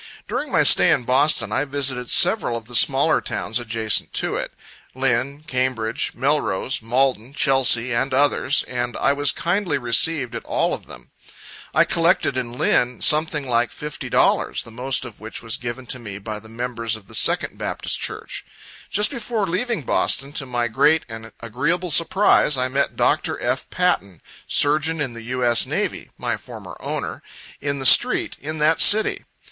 During my stay in Boston, I visited several of the smaller towns adjacent to it, Lynn, Cambridge, Melrose, Malden, Chelsea, and others, and I was kindly received at all of them. I collected in Lynn something like $50, the most of which was given to me by the members of the 2nd Baptist Church. Just before leaving Boston, to my great and agreeable surprise, I met Dr. F. Patten, surgeon in the U. S. Navy, (my former owner,) in the street, in that city.